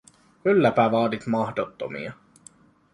Kylläpä vaadit mahdottomia.